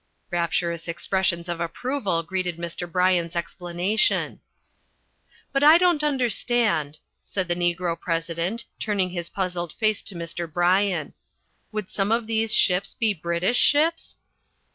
Rapturous expressions of approval greeted Mr. Bryan's explanation. "But I don't understand," said the Negro President, turning his puzzled face to Mr. Bryan. "Would some of these ships be British ships?"